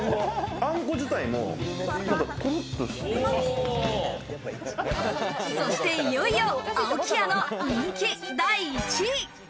あんこ自体もコロッとそしていよいよ青木屋の人気第１位。